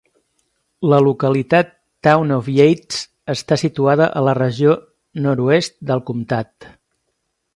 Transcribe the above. La localitat Town of Yates està situada a la regió nord-oest del comtat.